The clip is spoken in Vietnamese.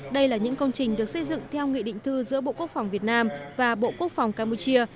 đây là những công trình được xây dựng theo nghị định thư giữa bộ quốc phòng việt nam và bộ quốc phòng campuchia